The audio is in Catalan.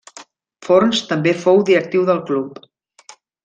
Forns també fou directiu del club.